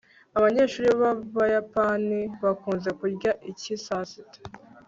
abanyeshuri b'abayapani bakunze kurya iki saa sita